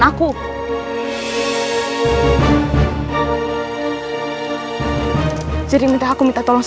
dan kamu membiarkan aku di penjara mas